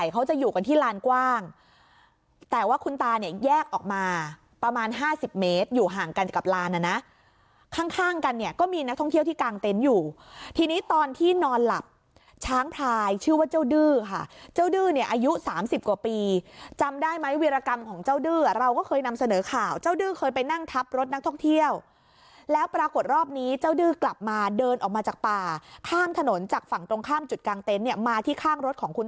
กลับร้านนะนะข้างกันเนี่ยก็มีนักท่องเที่ยวที่กลางเต็นต์อยู่ทีนี้ตอนที่นอนหลับช้างพลายชื่อว่าเจ้าดื้อค่ะเจ้าดื้อเนี่ยอายุ๓๐กว่าปีจำได้ไหมวิรกรรมของเจ้าดื้อเราก็เคยนำเสนอข่าวเจ้าดื้อเคยไปนั่งทับรถนักท่องเที่ยวแล้วปรากฏรอบนี้เจ้าดื้อกลับมาเดินออกมาจากป่าข้ามถนนจากฝั่ง